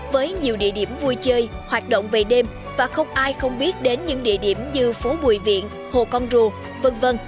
vui chơi hoạt động về đêm và không ai không biết đến những địa điểm như phố bùi viện hồ con rùa v v